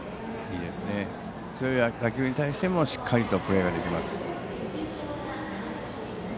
強い打球に対してもしっかりとプレーができます。